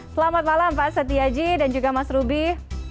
selamat malam pak setiaji dan juga mas ruby